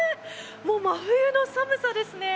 もう真冬の寒さですね。